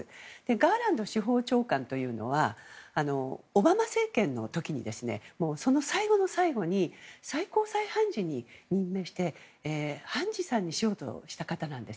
ガーランド司法長官というのはオバマ政権の時に最後の最後に最高裁判事に任命して判事さんにしようとした方なんです。